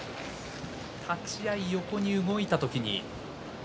立ち合い横に動いた時に。